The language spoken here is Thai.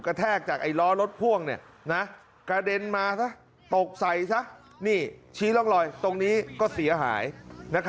แค่บอกเจ้าของรถมันรับผิดชอบให้หน่อย